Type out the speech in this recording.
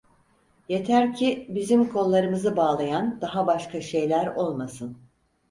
Yeter ki bizim kollarımızı bağlayan daha başka şeyler olmasın.